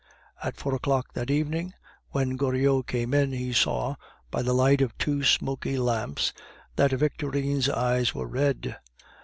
At four o'clock that evening, when Goriot came in, he saw, by the light of two smoky lamps, that Victorine's eyes were red.